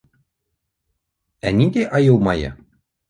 У ниндәй айыу майы?!